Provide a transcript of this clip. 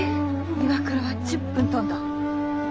岩倉は１０分飛んだ。